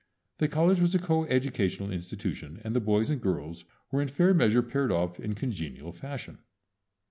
The college was a coeducational institution, and the boys and girls were in fair measure paired off in congenial fashion.